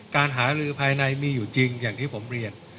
การหาลือภายในมีอยู่จริงอย่างที่ผมเรียน